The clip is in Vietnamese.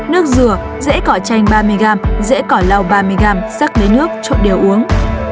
nước dừa rễ cỏ chanh ba mươi g rễ cỏ lau ba mươi g rắc lấy nước trộn đều uống